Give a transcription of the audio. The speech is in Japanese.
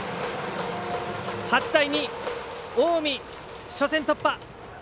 ８対２、近江、初戦突破！